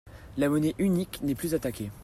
La monnaie unique n’est plus attaquée.